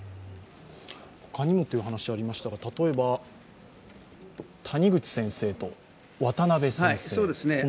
他にもという話がありましたが、例えば谷口先生と渡辺先生。